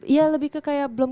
ya lebih ke kayak belum